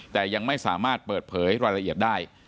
แต่ยังไม่สามารถเปิดเผยรายละเอียดได้